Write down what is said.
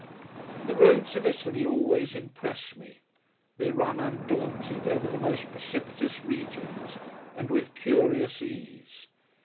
The roads of Italy always impress me. They run undaunted over the most precipitous regions, and with curious ease.